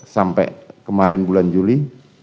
sampai kemarin bulan juli